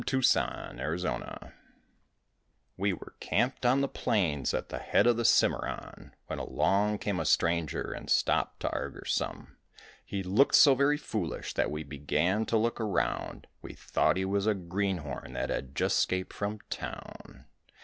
THE ZEBRA DUN We were camped on the plains at the head of the Cimarron When along came a stranger and stopped to arger some. He looked so very foolish that we began to look around, We thought he was a greenhorn that had just 'scaped from town.